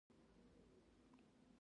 آیا د ایران هوايي چلند ستونزې نلري؟